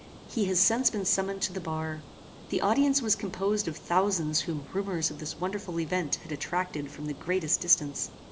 "He has since been summoned to the bar. The audience was composed of thousands whom rumours of this wonderful event had attracted from the greatest distance.